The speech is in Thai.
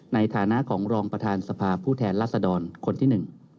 ในฐานะของรองประธานสภาผู้แทนรัศดรคนที่๑